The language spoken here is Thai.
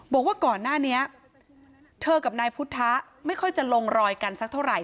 บอกว่าก่อนหน้านี้เธอกับนายพุทธะไม่ค่อยจะลงรอยกันสักเท่าไห